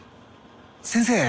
先生